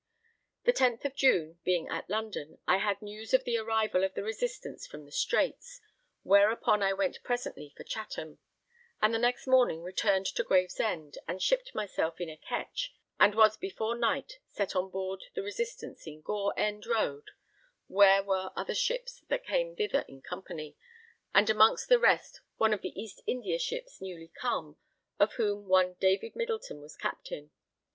The 10th of June, being at London, I had news of the arrival of the Resistance from the Straits, whereupon I went presently for Chatham, and the next morning returned to Gravesend and shipped myself in a ketch, and was before night set on board the Resistance in Gore End road, where were other ships that came thither in company, and amongst the rest one of the East India ships newly come, of whom one David Middleton was captain.